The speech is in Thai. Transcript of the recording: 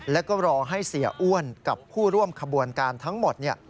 แล้วก็รอให้เสียอ้วนกับผู้ร่วมขบวนการทั้งหมด